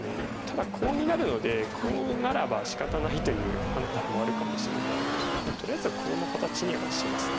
ただコウになるのでコウならばしかたないという判断もあるかもしれないのでとりあえずはコウの形にはします。